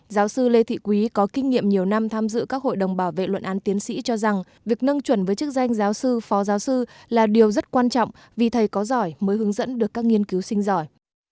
giáo sư lê thị quý có kinh nghiệm nhiều năm tham dự các hội đồng bảo vệ luận án tiến sĩ cho rằng việc nâng chuẩn với chức danh giáo sư phó giáo sư là điều rất quan trọng vì thầy có giỏi mới hướng dẫn được các nghiên cứu sinh giỏi